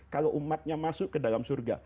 kalau umatnya masuk ke dalam surga